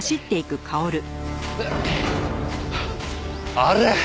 あれ？